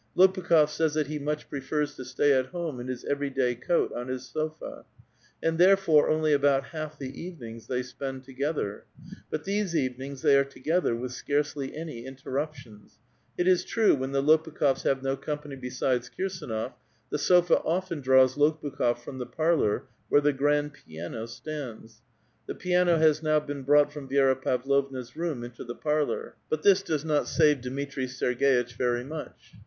Ix)pukh6f says that he much prefers to stay at home in his every day coat on his sofa. And therefore, only about half the evenings they spend together ; but these evenings they are together with scarcely any interruptions ; it is true, when the Lopukh6fs have no company besides Kirb^nof, the sofa oI'tt»n draws Lopukh6f from the parlor, where the grand piano stands ; the piano has now been brought from Vi^ra Pavlovna's room into the parlor ; but this does not save Dmitri Serg^itch very much.